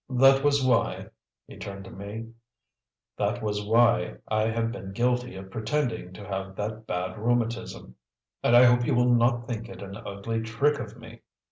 That was why " he turned to me "that was why I have been guilty of pretending to have that bad rheumatism, and I hope you will not think it an ugly trick of me!